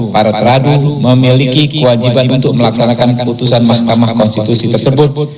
para teradu memiliki kewajiban untuk melaksanakan keputusan mahkamah konstitusi tersebut